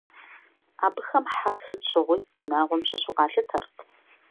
Абыхэм хьэр сыт щыгъуи унагъуэм щыщу къалъытэрт.